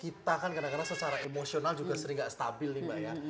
kita kan kadang kadang secara emosional juga sering nggak stabil nih mbak ya